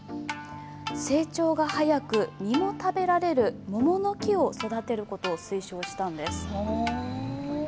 成長が早く、実も食べられる桃の木を育てることを推奨したんです。